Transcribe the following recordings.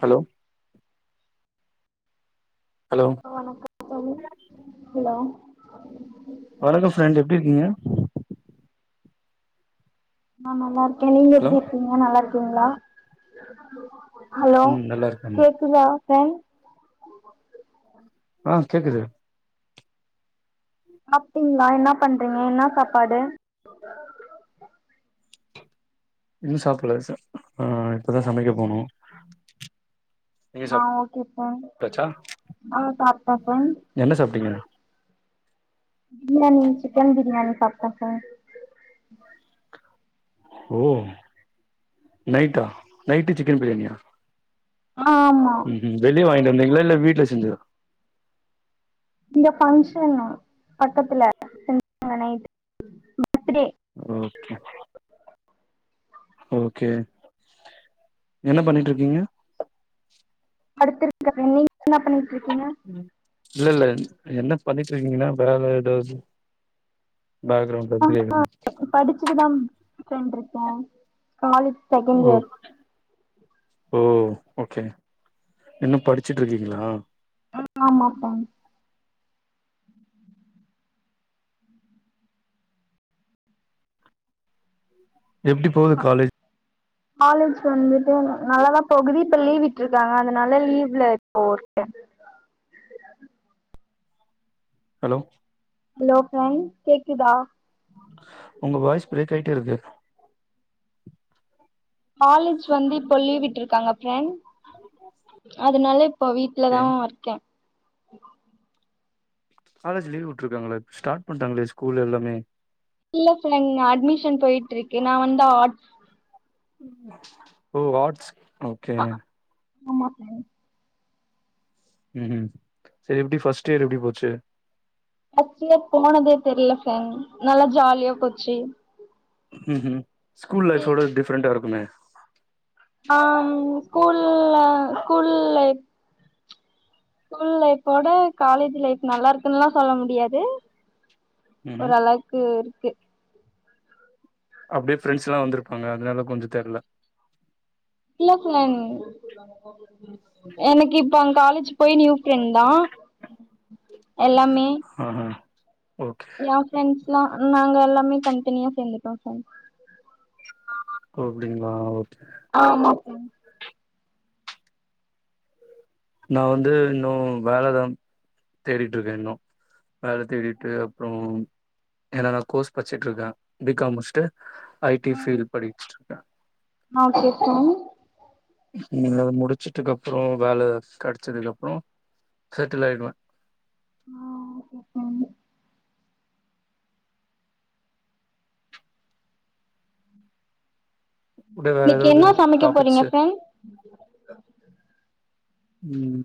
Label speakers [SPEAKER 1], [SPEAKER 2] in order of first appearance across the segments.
[SPEAKER 1] Hello hello
[SPEAKER 2] அ வணக்கம் தோழி ஹலோ
[SPEAKER 1] எப்டிருக்கீங்க
[SPEAKER 2] நா நல்லா இருக் நீங்க
[SPEAKER 1] ஹலோ
[SPEAKER 2] எப்படி இருப்பீங்க நல்லா இருக் இருங்களா ஹலோ
[SPEAKER 1] ம் நல்லா இருக்கேன்
[SPEAKER 2] கேக்குதா தோழி
[SPEAKER 1] ஆ கேக்குது
[SPEAKER 2] சாப்பிட்டீங்களா என்ன பண்றீங்க என்ன சாப்பாடு
[SPEAKER 1] இன்னு சாப்பிடல ச ஆ இப்பதா சமைக்க போனும்
[SPEAKER 2] ஆ ஓகே சார் அ சாப்டே சார்
[SPEAKER 1] என்ன சாப்ட்டீங்க
[SPEAKER 2] பிரியாணி சிக்கன் பிரியாணி சாப்டே சார்
[SPEAKER 1] ஓ நைட்டா நைட்டு சிக்கன் பிரியாணியா
[SPEAKER 2] ஆ ஆமா
[SPEAKER 1] ம் ம் வெளிய வாங்கிட்டு வந்தீங்களா இல்ல வீட்டுல செஞ்ச
[SPEAKER 2] இங்க பங்க்ஷனு பக்கத்துல நைட் பர்த்டே
[SPEAKER 1] ஓகே ஓகே என்ன பண்ணிட்டு இருக்கீங்க
[SPEAKER 2] படுத்துருக்க நீ என்ன பண்ணிட்ருக்கீங்க?
[SPEAKER 1] இல்லெல்ல என்ன பண்ணிட்ருக்கீங்கனா வேல எதாவுது
[SPEAKER 2] [inaudible] படுச்சுட்டுதா உக்கான்ருக்கே காலேஜ் செகண்ட்
[SPEAKER 1] ஓ
[SPEAKER 2] இயர்
[SPEAKER 1] ஓ ஓகே இன்னு படுச்சுட்ருக்கீங்களா?
[SPEAKER 2] ஆமாமாப்பா
[SPEAKER 1] எப்டி போது காலேஜ்?
[SPEAKER 2] காலேஜ் வந்துட்டு நல்லாதா போகுது இப்ப லீவ் விட்ருக்காங்க அதுனால லீவ்ல [inaudible]
[SPEAKER 1] ஹலோ
[SPEAKER 2] ஹலோ ஃப்ரெண்ட் கேக்குதா?
[SPEAKER 1] ஒங்க வாய்ஸ் பிரேக் ஆயிட்டே இருக்கு
[SPEAKER 2] காலேஜ் வந்து இப்ப லீவ்‌ விட்ருக்காங்க ஃப்ரெண்ட் அதுனால இப்ப வீட்லதா
[SPEAKER 1] ஓகே
[SPEAKER 2] இருக்கே [unintelligible]
[SPEAKER 1] காலேஜ் லீவ் வுட்ருக்காங்களா ஸ்டார்ட் பண்டாங்களே ஸ்கூல் எல்லாமே
[SPEAKER 2] இல்ல [unintelligible] ந அட்மிஷன் போயிட்ருக்கு நா வந்து ஆர்ட்
[SPEAKER 1] ஓ ஆர்ட்ஸ் ஓகே
[SPEAKER 2] ஆமா ஃப்ரெண்ட்
[SPEAKER 1] ம்ஹும் செரி எப்டி ஃபர்ஸ்ட் இயர் எப்டி போச்சு?
[SPEAKER 2] ஆச்சுவலா போனதே தெரில ஃப்ரெண்ட் நல்லா ஜாலியா போச்சு
[SPEAKER 1] ம்ஹும் ஸ்கூல் லைஃபோட டிஃப்ரண்டா இருக்குமே
[SPEAKER 2] ஆம் ஸ்கூல்ல ஸ்கூல் லை ஸ்கூல் லைஃபோட காலேஜு லைஃப் நல்லா இருக்குன்லா சொல்ல முடியாது
[SPEAKER 1] ம் ம்
[SPEAKER 2] ஓரளக்கு இரு க்கு
[SPEAKER 1] அப்டியே ஃப்ரெண்ட்ஸ்லா வந்துருப்பாங்க அதுனால கொஞ்ச தெர்ல
[SPEAKER 2] இல்ல ஃப்ரெண்ட் எனக்கு இப்ப அங் காலேஜு போய் நியூ ஃப்ரெண்ட் தா எல்லாமே
[SPEAKER 1] ஆஹா
[SPEAKER 2] ஏ ஃப்ரண்ட்ஸ்லா நாங்க எல்லாமே தனித்தனியா சேந்துட்டோ ஃப்ரெண்ட்
[SPEAKER 1] ஓ அப்டிங்ளா ஓ
[SPEAKER 2] ம்
[SPEAKER 1] நா வந்து இன்னு வேலதா தேடிட்ருக்கே இன்னு வேல தேடிட்டு அப்றோ ஏனா நா கோர்ஸ் பச்சுட்ருக்கே பி காம் முச்சுட்டு ஐ டி ஃபீல் படிச்சுட்ருக்கே
[SPEAKER 2] [unintelligible]
[SPEAKER 1] உது முடிச்சுட்டுக்கு அப்றோ வேல கடைச்சதுக்கு அப்புறோ சட்டில் ஆயிடுவே
[SPEAKER 2] [unintelligible]
[SPEAKER 1] கூட வேற
[SPEAKER 2] இன்னைக்கு
[SPEAKER 1] எதாவது
[SPEAKER 2] என்ன சமைக்க போறீங்க
[SPEAKER 1] டாபிக்ஸு
[SPEAKER 2] ஃப்ரெண்
[SPEAKER 1] ம்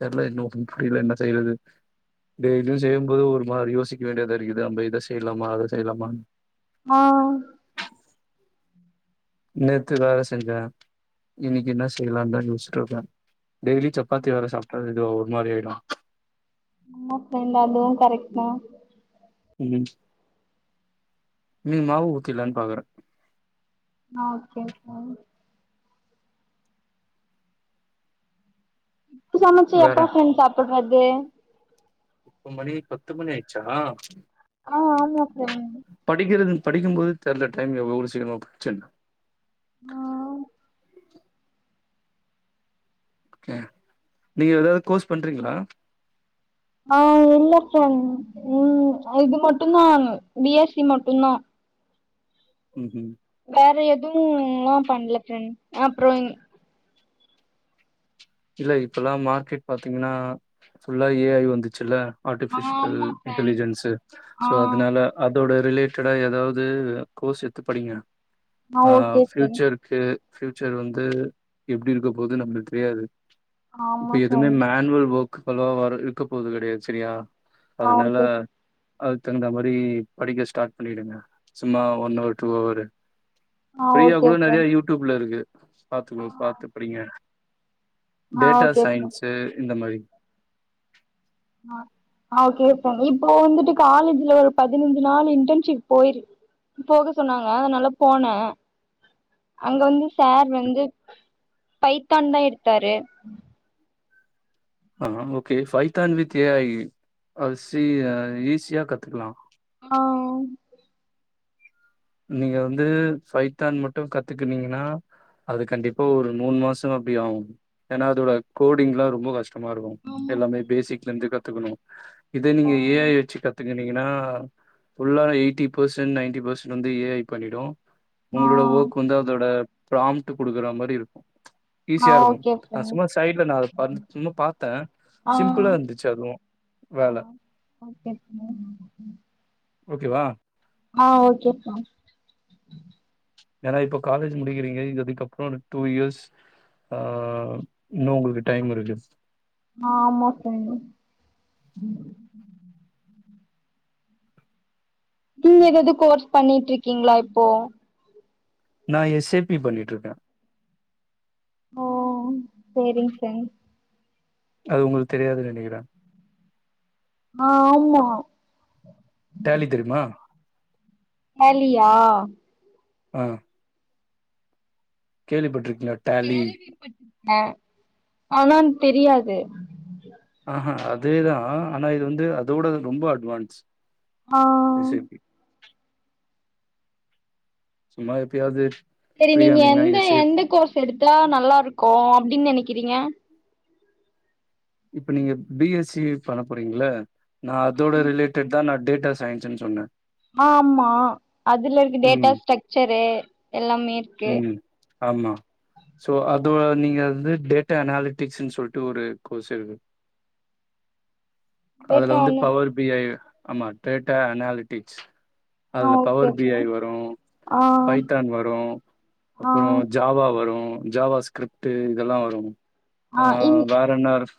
[SPEAKER 1] தெரியல இன்னு புரியல என்ன செய்யறது டெய்லியு செய்யும்போது ஒரு மாரி யோசிக்க வேண்டியது இருக்குது நம்ம இத செய்யலாமா அத செய்யலாமா
[SPEAKER 2] ஆ
[SPEAKER 1] நேத்து வேல செஞ்சே இன்னைக்கு என்ன செய்யலாம்தா யோச்ட்டு இருக்கே டெய்லி சப்பாதி வேற சாப்புட்ட இது ஒரு மாரி ஆயிடு
[SPEAKER 2] [unintelligible] கரெக்ட் தா
[SPEAKER 1] ம் ம் மாவு ஊத்திலான்னு பாக்குறே
[SPEAKER 2] நா ஓகே ஃப்போ இப்ப சமைச்சு
[SPEAKER 1] வேற
[SPEAKER 2] எப்பா ஃப்ரெண்ட் சாப்புறது
[SPEAKER 1] இப்ப மணி பத்து மணி ஆயிச்சா
[SPEAKER 2] ஆ ஆமா ஃப்ரெ
[SPEAKER 1] படிக்கும்போது தெர்யல டைம் எவ்வளோ சிக்கிரமா போச்சினு
[SPEAKER 2] ஆ
[SPEAKER 1] க நீங்க ஏதாவது கோஸ் பண்றீங்களா
[SPEAKER 2] ஆ இல்லப்பா ம் இது மட்டும்தா பிஎஸ்சி மட்டும்தா
[SPEAKER 1] ம் ம்
[SPEAKER 2] வேற எதுவும்ல்லா பண்ல ப்ரெண்ட் அப்புறோ ம்
[SPEAKER 1] இல்ல இப்பல்லாம் மார்க்கெட் பாத்தீங்கன்னா ஃபுல்லா ஏஐ வந்துச்சுல்ல ஆர்டிபிஷிகள்
[SPEAKER 2] ஆமா ஃப்ரெண்ட்
[SPEAKER 1] இன்டலிஜென்ஸ்
[SPEAKER 2] ஆ
[SPEAKER 1] சோ அதனால அதோட ரிலேட்டடா ஏதாவது கோர்ஸ் எடுத்து படிங்க
[SPEAKER 2] ஆ
[SPEAKER 1] அ
[SPEAKER 2] ஓகே ஃப்ரெண்ட்
[SPEAKER 1] ஃபியுச்சர்க்கு ஃபியூச்சர் வந்து எப்புடி இருக்க போது நம்மளுக்கு தெரியாது இப்ப
[SPEAKER 2] ஆமா
[SPEAKER 1] எதுவுமே
[SPEAKER 2] ஃப்ரெண்ட்
[SPEAKER 1] மேன்வல் ஓர்க் கலோ வா இருக்க போறது கெடையாது செரியா
[SPEAKER 2] ஆ
[SPEAKER 1] அதனால
[SPEAKER 2] ஓகே ஃப்ரெண்ட்
[SPEAKER 1] அதுக்கு தகுந்த மாரி படிக்க ஸ்டார்ட் பண்ணிடுங்க சும்மா ஒன் வர் டூ ஆவரு
[SPEAKER 2] ஆ
[SPEAKER 1] ஃப்ரீயா
[SPEAKER 2] ஓகே
[SPEAKER 1] கூட நெறைய
[SPEAKER 2] ஃப்ரெண்ட்
[SPEAKER 1] யூடியூப்ல இருக்கு [inaudible] பாத்துக்கோ பாத்துப்படிங்க
[SPEAKER 2] ஆ
[SPEAKER 1] டேட்டா
[SPEAKER 2] ஓகே ஃப்ரெண்ட்
[SPEAKER 1] சயின்ஸ் இந்த மாரி
[SPEAKER 2] ஆ ஆ ஓகே இப்போ வந்துட்டு காலேஜ்ல ஒரு பதினஞ்சு நாள் இன்டன்ஷிப் போயிரு போக சொன்னாங்க அதனால போனே அங்க வந்து சேர் வந்து பைத்தான்தா எடுத்தாரு
[SPEAKER 1] ஆ okay Python with A I ஈஸியா கத்துக்கலா
[SPEAKER 2] ஆ
[SPEAKER 1] நீங்க வந்து பைத்தான் மட்டு கத்துக்ககனீங்கன்னா அது கண்டிப்பா ஒரு மூணு மாசம் அப்பிடி ஆகும் ஏன்னா அதோட கோடிங்ல்லா ரொம்ப கஷ் டமாருக்கு
[SPEAKER 2] ஆமா
[SPEAKER 1] எல்லாமே
[SPEAKER 2] ஃப்ரெண்ட்
[SPEAKER 1] பேசிக்ல இந்து க கத்துக்கணு இத நீங்க ஏ ஐ வச்சு கத்து என்னங்னா ஃபுல்லா எயிட்டி பெர்சன்ட் நைன்டி பெர்சன்ட் வந்து ஏ ஐ பண்ணிடு
[SPEAKER 2] ஆ
[SPEAKER 1] ஒங்களோட ஓர்க் வந்து அதோட ப்ராம்டு குடுக்ற மாரி இருக்கு
[SPEAKER 2] ஆ
[SPEAKER 1] ஈஸியா இருக்கு
[SPEAKER 2] ஓகே
[SPEAKER 1] நா
[SPEAKER 2] ஃப்ரெண்ட்
[SPEAKER 1] சும்மா சைட்ல நா சும்மா பாத்தே
[SPEAKER 2] ஆ
[SPEAKER 1] சிம்ளா இருந்துச்சு அதுவு
[SPEAKER 2] ஆ
[SPEAKER 1] வேல
[SPEAKER 2] ஓகே ஃப்ரெண்ட்
[SPEAKER 1] ஓகேவா
[SPEAKER 2] ஆ ஓகேப்பா
[SPEAKER 1] ஏனா இப்ப காலேஜ் முடிக்கிறீங்க இதுக்கப்ற டூ இயர்ஸ் ஆ இன்னு உங்களுக்கு டை இருக்குது
[SPEAKER 2] ஆ ஆமா தோழி நீங்க எதாவது கோர்ஸ் பண்ணிட்டு இருக்கீங்ளா இப்போ
[SPEAKER 1] நா எஸ் ஏ பி பண்ணிட்டு இருக்கே
[SPEAKER 2] ஓ செரிங்க செரி
[SPEAKER 1] அது உங்களுக்கு தெரியாதுனு நெனக்கிறே
[SPEAKER 2] ஆ ஆமா
[SPEAKER 1] ட்டாலி தெரிமா
[SPEAKER 2] ட்டாலியா
[SPEAKER 1] ஆ கேள்விப்பட்ருக்கே
[SPEAKER 2] கேள்வி பட் ஆ ஆனா தெரியாது
[SPEAKER 1] ஆக அதேதா ஆனா இது வந்து அதோட ரொம்ப அட்வான்ஸ்
[SPEAKER 2] ஆ
[SPEAKER 1] எ சே பி சும்மா எப்பயாது
[SPEAKER 2] சரி நீங்க எந்த எந்த கோர்ஸ் எடுத்தா நல்லா இருக்கோ அப்டி நினக்கி க்கிறீங்ளா
[SPEAKER 1] இப்ப நீங்க பி எஸ்சி பண்ண போறீங்ள நா அதோட ரிலேட்டட் தா டேட்டா சயின்ஸ்ன்னு சொன்னே
[SPEAKER 2] ஆமா அதுல இருக்கு டேட்டா
[SPEAKER 1] ம்
[SPEAKER 2] ஸ்ட்ரக்சரு எல்லாமே இருக்கு
[SPEAKER 1] ம் ஆமா சோ அதோட நீங்க வந்து டேட்டா அனாலிட்டிக்ஸ்னு சொல்ட்டு ஒரு கோர்ஸ் எடு அதுல
[SPEAKER 2] டேட்டா
[SPEAKER 1] வந்து
[SPEAKER 2] ஒன்னு
[SPEAKER 1] பவர் பி ஐ ஆமா டேட்டா அனாலிட்டிக்ஸ்
[SPEAKER 2] ஆ
[SPEAKER 1] அதுல
[SPEAKER 2] okay
[SPEAKER 1] power B I
[SPEAKER 2] friend
[SPEAKER 1] வரூ
[SPEAKER 2] ஆ
[SPEAKER 1] பைத்தான் வரூ
[SPEAKER 2] ஆ
[SPEAKER 1] அப்றோ ஜாவா வரூ ஜாவா ஸ்கிரிப்டு இதெல்லா வரு
[SPEAKER 2] ஆ இன்
[SPEAKER 1] ஆங்... வேரென்ன பஸ்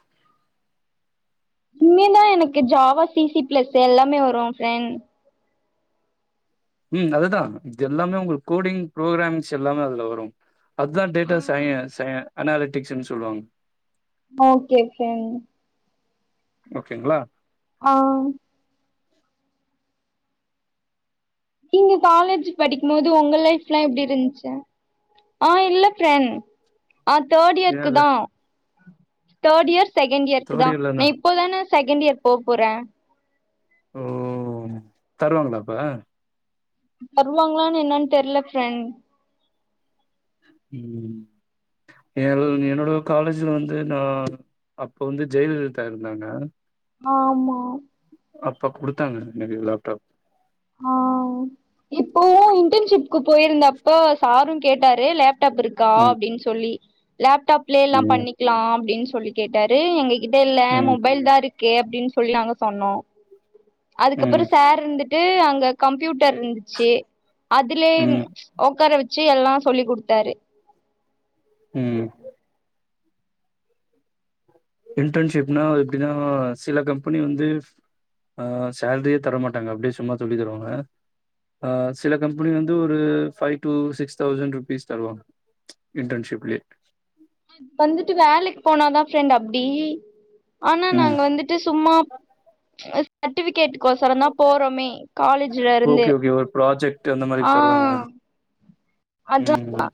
[SPEAKER 2] இனிமேதா எனக்கு ஜாவா சிசி ப்ளஸ் எல்லாமே வரூ ஃப்ரெண்ட்
[SPEAKER 1] ம் அதுதா இது எல்லாமே உங்களுக் கோடிங் ப்ரோக்ராம்ஸ் எல்லாமே அதுல வரூ அதுதா
[SPEAKER 2] ஆ
[SPEAKER 1] டேட்டா சைஅ சைஅ அனாலிட்டிக்ஸ்ன்னு சொல்லுவாங்க
[SPEAKER 2] ஓகே ஓகே அண்
[SPEAKER 1] ஓகேங்களா
[SPEAKER 2] ஆ நீங்க காலேஜ் படிக்கும் போது உங்க லைஃப்ல்லா எப்டி இருந்துச்சு ஆ இல்ல ஃப்ரண்ட் ஆ தேர்ட்
[SPEAKER 1] ஏ
[SPEAKER 2] இயர்க்கு
[SPEAKER 1] இல்ல
[SPEAKER 2] தா தேர்ட் இயர் செகண்ட் இயருக்கு தா
[SPEAKER 1] தேர்ட்
[SPEAKER 2] ந
[SPEAKER 1] இயர்லனா
[SPEAKER 2] இப்போதானே செகண்ட் இயர் போ போறே
[SPEAKER 1] தருவாங்களாப்ப
[SPEAKER 2] வருவாங்களான்னு என்னன்னு தெர்ல ஃப்ரெண்ட்
[SPEAKER 1] ம் என் என்னோட காலேஜ்ல வந்து நா அப்ப வந்து ஜெயலலிதா இருந்தாங்க
[SPEAKER 2] ஆமா
[SPEAKER 1] அப்ப கொடுத்தாங்க எனக்கு லேப்டாப்
[SPEAKER 2] ஆ இப்பவு இன்டன்ஷிப் க்கு போயிருந்தப்ப சாரு கேட்டாரு லேப் பட்டப்புருக்கா அப்டின்னு சொல்லி லேப்டாப்லயே ல்லா
[SPEAKER 1] ம்
[SPEAKER 2] பண்ணிக்கலா அப்டின்னு சொ சொல்லி கேட்டாரு எங்க இது இல்ல
[SPEAKER 1] ம்
[SPEAKER 2] மொபைல் தாருக் கே அப்டின் சொல்லி நாங்க சொன்னோ அதுக்கப்புறொ
[SPEAKER 1] ம்
[SPEAKER 2] சார்ருந்துட்டு ட்டு அங்க கம்ப்யூட்டர் இருந்துச்சு அதுலே
[SPEAKER 1] ம்
[SPEAKER 2] ஒக்கார வச் ச்சு எல்லா சொல்லி கொடுத்தாரு
[SPEAKER 1] ம் இன்டர்ன்ஷிப்னா எப்டினா சில கம்பெனி வந்து ஆ சேலரியே தரமாட்டாங்க அப்டியே சும்மா சொல்லி தருவாங்க ஆ சில கம்பெனி வந்து ஒரு five to six thousand rupees தருவாங்க இன்டர்ன்ஷிப்லே
[SPEAKER 2] வந்துட்டு வேலைக்கு போனாதா ஃப்ரெண்ட் அப்டி ஆனா
[SPEAKER 1] ம்
[SPEAKER 2] நாங்க வந்துட்டு சும்மா சட்ஃபிகேட் கோசரோ தா போறோமே காலேஜ்லருந்து
[SPEAKER 1] ஓகே ஓகே ஒரு ப்ராஜெக்ட் அந்த மாரி
[SPEAKER 2] ஆ
[SPEAKER 1] தருவாங்க
[SPEAKER 2] அதா
[SPEAKER 1] ம்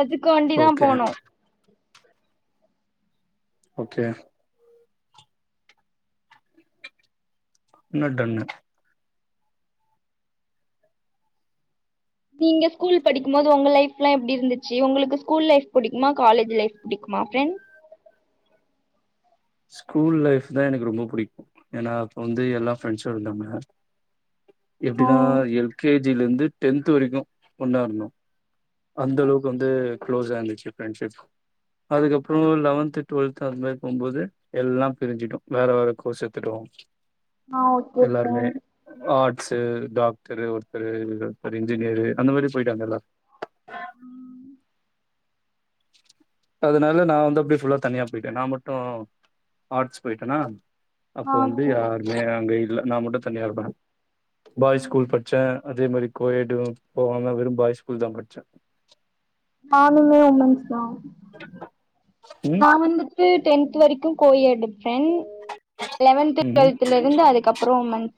[SPEAKER 2] அதுக்குகாண்டி தா
[SPEAKER 1] ஓகே
[SPEAKER 2] போனோ
[SPEAKER 1] ஓகே ன்னடன்னு
[SPEAKER 2] நீங்க ஸ்கூல் படிக்கு போது உங்க லைஃப்ல்லா எப்டி இருந்துச்சு உங்களுக்கு ஸ்கூல் லைஃப் புடிக்குமா காலேஜ் லைஃப் படிக்குமா ஃப்ரெண்ட்
[SPEAKER 1] ஸ்கூல் லைஃப் தா எனக்கு ரொம்ப பிடிக்கு ஏன்னா அப்ப வந்து எல்லா ஃப்ரெண்ட்ஸு இருந்தாங்க
[SPEAKER 2] ஆ
[SPEAKER 1] எப்டினா எல் கே ஜிலேந்து டென்த் வரைக்கு ஒன்னா இருந்தொ அந்த அளவுக்கு வந்து கு்ளோஸ் ஆ இருந்துச்சு ஃப்ரெண்ட் ஷிப் அதுக்கப்புறோ லெவன்து டுவெல்த் அந்த மாரி போம்போது எல்லா பிரிஞ்சட்டொ வேற வேற கோர்ஸ் எத்துட்டோ
[SPEAKER 2] ஆ ஓகே ப்போனு
[SPEAKER 1] ச டாக்டரு ஒருத்தரு ஒருத்தரு இன்ஜினியரு அந்த மாரி போயிட்டாங்க எல்லாரு அதனால நா வந்து அப்டி ஃபுல்லா தனியா போயிட்டே நா மட்டு ஆர்ட்ஸ் போயிட்டனா அப்ப
[SPEAKER 2] ஆ
[SPEAKER 1] வந்து
[SPEAKER 2] ஓகே
[SPEAKER 1] யாருமே அங்க இல் இல்ல நா மட்டு தனியா இருப்பே பாய்ஸ் ஸ்கூல் படிச்சே அதே மாரி கோயடு போவாம வெறு பாய் ஸ்கூல் தா படிச்சே
[SPEAKER 2] நானுமே எமன்சுதா
[SPEAKER 1] ம்
[SPEAKER 2] நா வந்துட்டு டென்த் வரைக்கு கோயேடு ஃப்ரெண்ட் லெவன்த்
[SPEAKER 1] ம்ஹூம்
[SPEAKER 2] டுவெல்தலருந்து அதுக்கப் ரோமன்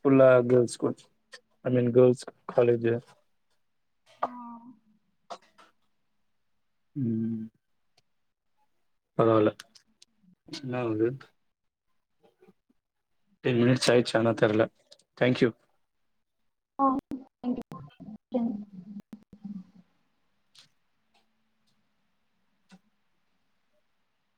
[SPEAKER 1] ஃபுல்லா கேர்ல் ஸ்கூல் அதுமரி கேர்ல்ஸ் காலேஜு
[SPEAKER 2] ஆ
[SPEAKER 1] ம் பரவால என்னாவுது டென் மினிட்ஸ் ஆச்சி அனாதெர்ல தேங்க்யூ
[SPEAKER 2] ஆ [inaudible]